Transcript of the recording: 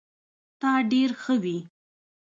تا ډير ښه وي